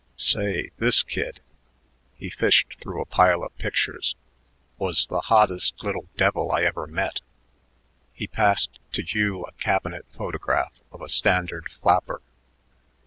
Say, this kid " he fished through a pile of pictures "was the hottest little devil I ever met." He passed to Hugh a cabinet photograph of a standard flapper.